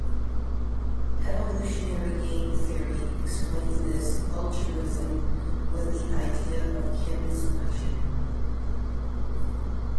Evolutionary game theory explains this altruism with the idea of kin selection.